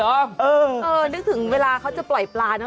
นึกถึงเวลาเขาจะปล่อยปลานะ